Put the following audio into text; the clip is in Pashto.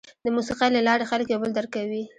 د موسیقۍ له لارې خلک یو بل درک کوي.